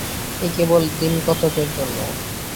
এ কেবল দিনকতকের জন্য।